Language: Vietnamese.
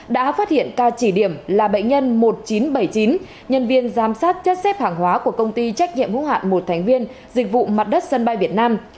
đã phát hiện cao chỉ điểm là bệnh nhân một nghìn chín trăm bảy mươi chín nhân viên giám sát chất xếp hàng hóa của công ty trách nhiệm hữu hạn một thành viên dịch vụ mặt đất sân bay việt nam